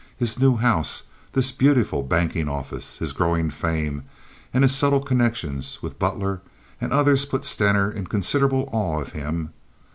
His new house, this beautiful banking office, his growing fame, and his subtle connections with Butler and others put Stener in considerable awe of him.